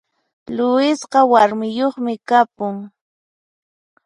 Luisqa warmiyoqmi kapun